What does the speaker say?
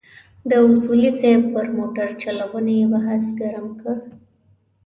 د اصولي صیب پر موټرچلونې بحث ګرم کړ.